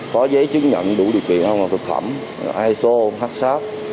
có giấy chứng nhận đủ điều kiện an toàn thực phẩm iso h sap